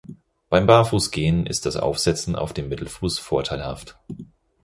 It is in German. Beim Barfuß-Gehen ist das Aufsetzen auf dem Mittelfuß vorteilhaft.